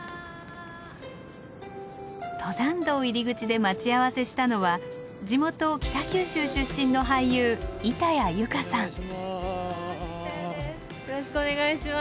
登山道入り口で待ち合わせしたのは地元北九州出身の板谷です。